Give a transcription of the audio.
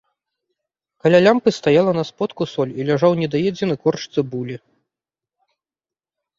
Каля лямпы стаяла на сподку соль і ляжаў недаедзены корч цыбулі.